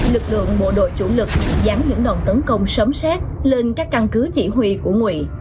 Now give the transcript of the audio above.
lực lượng bộ đội chủ lực dán những đòn tấn công sớm xét lên các căn cứ chỉ huy của nguyện